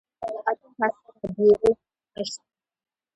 د اتوم هسته رادرفورډ کشف کړه.